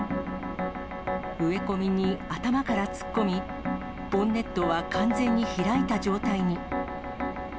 植え込みに頭から突っ込み、ボンネットは完全に開いた状態に。